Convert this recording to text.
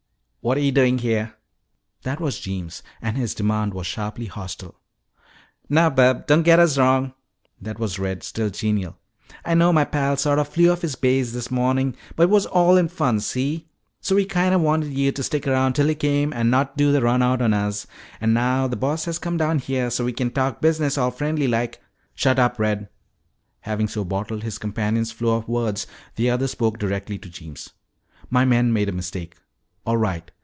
"Whatta yo' doin' heah?" That was Jeems, and his demand was sharply hostile. "Now, bub, don't get us wrong." That was Red, still genial. "I know my pal sorta flew off his base this mornin'. But it was all in fun, see? So we kinda wanted yuh to stick around till he came and not do the run out on us. And now the Boss has come down here so we can talk business all friendly like." "Shut up, Red!" Having so bottled his companion's flow of words, the other spoke directly to Jeems. "My men made a mistake. All right.